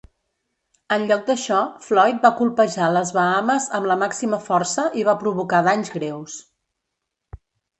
En lloc d'això, Floyd va colpejar les Bahames amb la màxima força i va provocar danys greus.